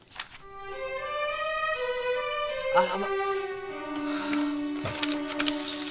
あらまぁ。